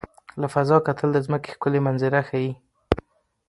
له فضا کتل د ځمکې ښکلي منظره ښيي.